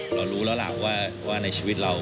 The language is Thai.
เรารู้แล้วล่ะว่าในชีวิตเรา